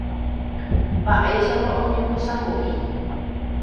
Mba'éichapa oñembosako'i.